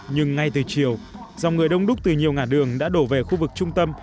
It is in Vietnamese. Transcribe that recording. nhưng ngay từ chiều dòng người đông đúc từ nhiều ngã đường đã đổ về khu vực trung tâm